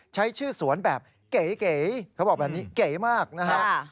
ใช้ชื่อสวนแบบเก๋เขาบอกแบบนี้เก๋มากนะฮะ